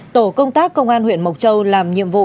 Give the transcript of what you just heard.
tổ công tác công an huyện mộc châu làm nhiệm vụ